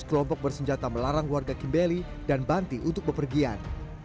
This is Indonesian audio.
kelompok bersenjata melarang warga kimbeli dan banti untuk bepergian